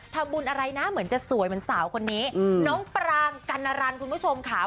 ทำบุญอะไรนะเหมือนจะสวยเหมือนสาวคนนี้น้องปรางกัณรันคุณผู้ชมค่ะ